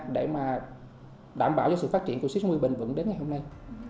để mà đảm bảo cho sự phát triển của sip sáu mươi bền vững đến ngày hôm nay